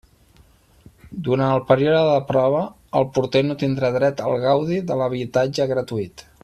Durant el període de prova el porter no tindrà dret al gaudi de l'habitatge gratuït.